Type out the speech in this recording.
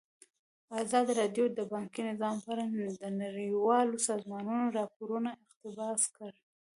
ازادي راډیو د بانکي نظام په اړه د نړیوالو سازمانونو راپورونه اقتباس کړي.